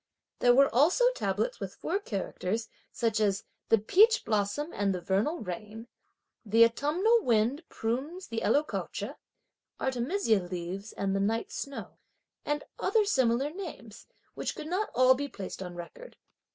There were also tablets with four characters such as: "the peach blossom and the vernal rain;" "the autumnal wind prunes the Eloecocca," "the artemisia leaves and the night snow," and other similar names which could not all be placed on record.